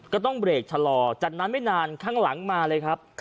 ก็ต้องเบรกชะลอจากนั้นไม่นานข้างหลังมาเลยครับ